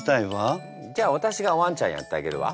じゃあ私がワンちゃんやってあげるわ。